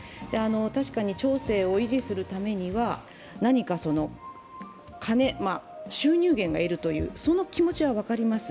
確かに町政を維持するためには何か収入源が要る、その気持ちは分かります。